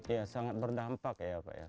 ya sangat berdampak ya pak ya